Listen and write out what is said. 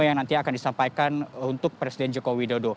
yang nanti akan disampaikan untuk presiden jokowi